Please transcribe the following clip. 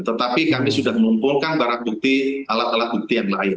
tetapi kami sudah mengumpulkan barang bukti alat alat bukti yang lain